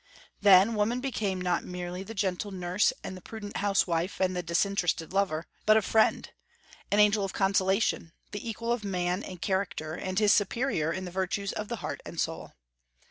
Then woman became not merely the gentle nurse and the prudent housewife and the disinterested lover, but a friend, an angel of consolation, the equal of man in character, and his superior in the virtues of the heart and soul.